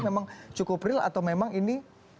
memang cukup real atau memang ini